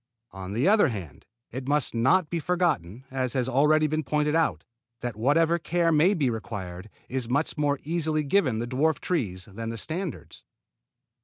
On the other hand it must not be forgotten, as has already been pointed out, that whatever care may be required is much more easily given the dwarf trees than the standards.